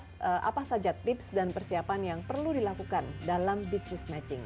selanjutnya kami akan membahas apa saja tips dan persiapan yang perlu dilakukan dalam business matching